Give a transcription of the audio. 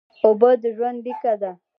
اوبه د ژوند لیکه ده